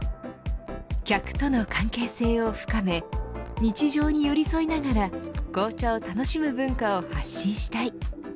客との関係性を深め日常に寄り添いながら紅茶を楽しむ文化を発信したい。